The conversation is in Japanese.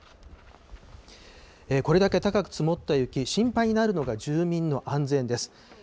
これだけ高く積もった雪、心配になるのが住民の安全です。